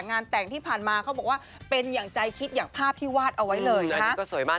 งานแต่งที่ผ่านมาเขาบอกว่าเป็นอย่างใจคิดอย่างภาพที่วาดเอาไว้เลยนะคะ